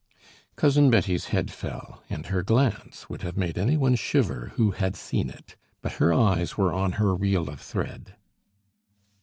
Cousin Betty's head fell, and her glance would have made any one shiver who had seen it; but her eyes were on her reel of thread.